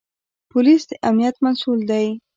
پولیس د امنیت مسوول دی